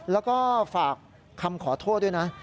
แล้วก็ฝากคำขอโทษด้วยนะ